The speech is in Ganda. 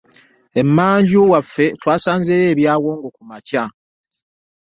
Emmanju waffe twasanzeeyo ebyawongo kumakya.